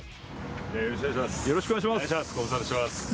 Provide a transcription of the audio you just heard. よろしくお願いします。